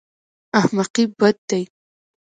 احمقي بد دی.